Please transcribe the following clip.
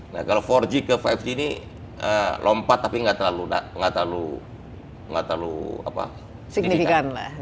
nah kalau empat g ke lima g ini lompat tapi nggak terlalu signifikan